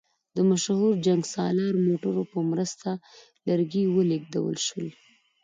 د مشهور جنګسالار موټرو په مرسته لرګي ولېږدول شول.